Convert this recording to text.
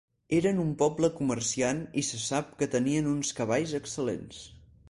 Eren un poble comerciant i se sap que tenien uns cavalls excel·lents.